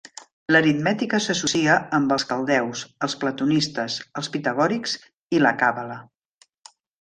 L'aritmètica s'associa amb els caldeus, els platonistes, els pitagòrics i la Càbala.